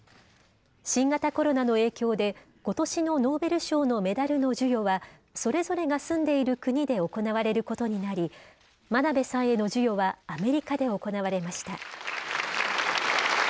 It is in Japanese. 新型コロナの影響で、ことしのノーベル賞のメダルの授与は、それぞれが住んでいる国で行われることになり、真鍋さんへの授与は、アメリカで行われました。